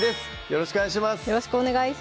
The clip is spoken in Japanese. よろしくお願いします